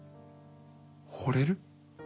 ほれる？